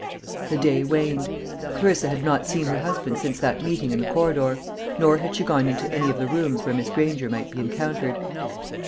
The day waned. Clarissa had not seen her husband since that meeting in the corridor; nor had she gone into any of the rooms where Miss Granger might be encountered.